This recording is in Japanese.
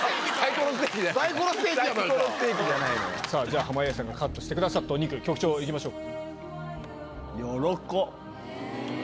さぁじゃあ濱家さんがカットしてくださったお肉局長いきましょう。